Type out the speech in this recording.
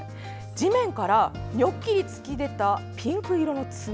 地面からにょっきり突き出たピンク色の角。